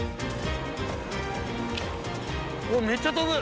めっちゃ飛ぶ！